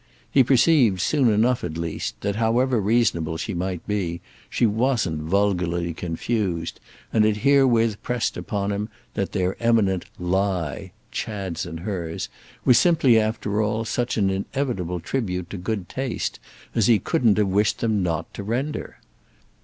He perceived soon enough at least that, however reasonable she might be, she wasn't vulgarly confused, and it herewith pressed upon him that their eminent "lie," Chad's and hers, was simply after all such an inevitable tribute to good taste as he couldn't have wished them not to render.